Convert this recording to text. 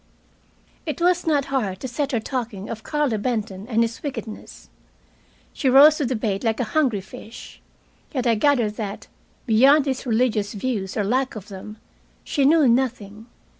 It was not hard to set her talking of Carlo Benton and his wickedness. She rose to the bait like a hungry fish. Yet I gathered that, beyond his religious views or lack of them, she knew nothing.